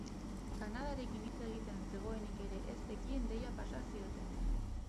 Kanadarekin hitz egiten zegoenik ere ez zekien deia pasa ziotenean.